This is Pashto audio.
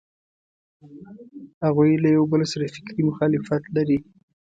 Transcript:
هغوی له یوبل سره فکري مخالفت لري.